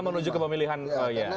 karena menuju ke pemilihan